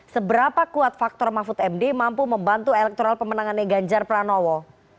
seberapa kuat faktor mahfud md mampu membantu elektoral pemenangannya ganjar pranowo